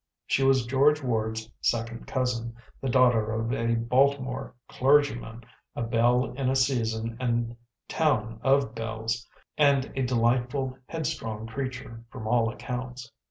She was George Ward's second cousin, the daughter of a Baltimore clergyman; a belle in a season and town of belles, and a delightful, headstrong creature, from all accounts.